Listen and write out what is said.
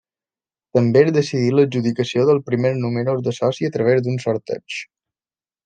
També es decidí l'adjudicació dels primers números de soci a través d'un sorteig.